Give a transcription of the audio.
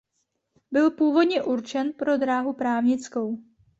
Byl původně určen pro dráhu právnickou.